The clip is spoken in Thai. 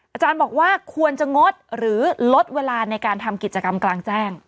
อาจารย์บอกว่าควรจะงดหรือลดเวลาในการทำกิจกรรมกลางแจ้ง